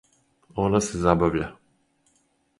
Она се забавља.